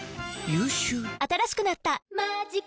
新しくなった「マジカ」